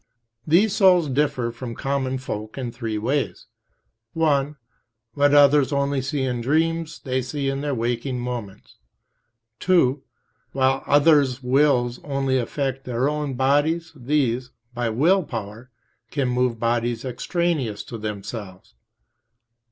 These souls differ from common folk in three ways: (1) what others only see in dreams they see in their waking moments. (2) While others' wills only affect their own bodies, these, by will power, can move bodies extraneous to themselves.